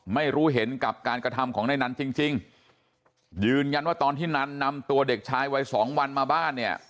ไม่รู้เห็นกับการกระทำของในนั้นจริงจริงยืนยันว่าตอนที่นันนำตัวเด็กชายวัยสองวันมาบ้านเนี่ย